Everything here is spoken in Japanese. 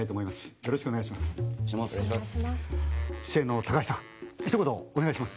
よろしくお願いします。